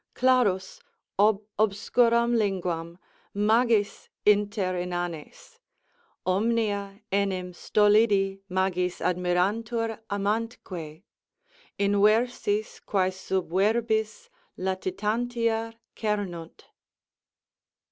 Claras, ob obscuram linguam, magis inter manes... Omnia enim stolidi magis admirantur amantque Inversis quæ sub verbis latitantia cemunt.